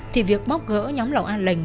thì việc bóc gỡ nhóm lầu an lệnh